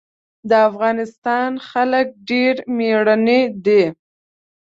د افغانستان خلک ډېر مېړني دي.